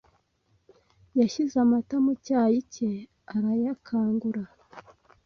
Yashyize amata mu cyayi cye arayakangura.